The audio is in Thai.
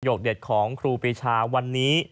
โดยยกเด็ดของครีวบีชาวันนี้